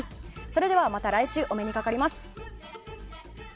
それではまた来週お目にかかります。